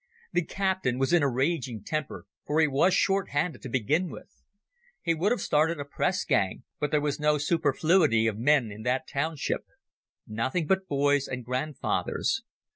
The captain was in a raging temper, for he was short handed to begin with. He would have started a press gang, but there was no superfluity of men in that township: nothing but boys and grandfathers.